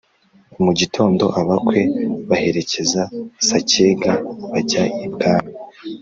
mugitondo abakwe baherekeza Sacyega bajya ibwami